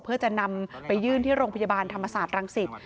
เพื่อจะนำไปยื่นที่โรงพยาบาลธรรมศาสตร์รังสิต